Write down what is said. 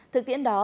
thực tiễn đó